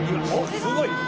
すごーい！